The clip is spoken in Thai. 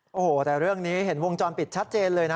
โอ้โหแต่เรื่องนี้เห็นวงจรปิดชัดเจนเลยนะ